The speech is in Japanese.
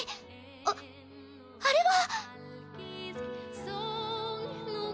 あっあれは！